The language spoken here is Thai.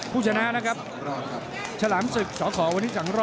ผู้ชนะนะครับฉลามศึกสขวันนี้๒รอบ